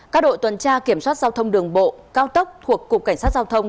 các đội tuần tra kiểm soát giao thông đường bộ cao tốc thuộc cục cảnh sát giao thông